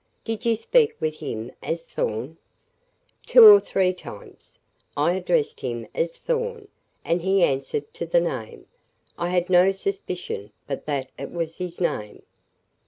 "Did you speak with him as Thorn?" "Two or three times. I addressed him as Thorn, and he answered to the name. I had no suspicion but that it was his name.